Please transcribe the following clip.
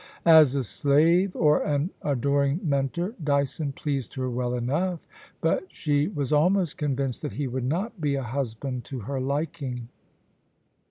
As a slave or an adoring mentor, Dyson pleased her well enough, but she was almost convinced that he would not be a husband to her liking.